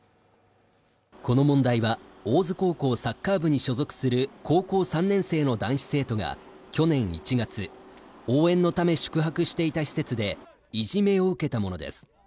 この問題は大津高校サッカー部に所属する高校３年生の男子生徒が去年１月応援のため宿泊していた施設でいじめを受けたものです